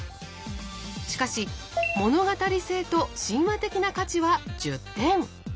しかし「物語性」と「神話的な価値」は１０点。